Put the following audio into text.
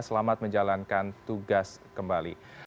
selamat menjalankan tugas kembali